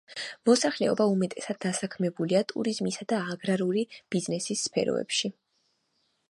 მოსახლეობა უმეტესად დასაქმებულია ტურიზმისა და აგრარული ბიზნესის სფეროებში.